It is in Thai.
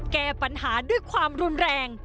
แก้ปัญหาด้วยความรุนแรง